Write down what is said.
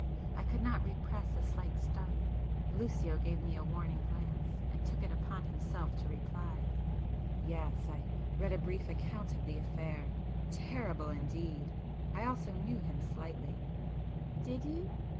I could not repress a slight start. Lucio gave me a warning glance, and took it upon himself to reply. "Yes, I read a brief account of the affair—terrible indeed! I also knew him slightly." "Did you?